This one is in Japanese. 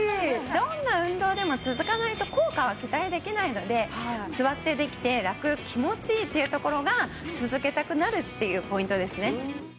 どんな運動でも続かないと効果は期待できないので座ってできてラク気持ちいいっていうところが続けたくなるっていうポイントですね。